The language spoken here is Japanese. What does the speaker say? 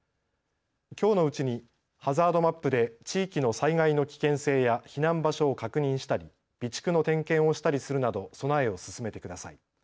きょうのうちにハザードマップで地域の災害の危険性や避難場所を確認したり備蓄の点検をしたりするなど備えを進めてください。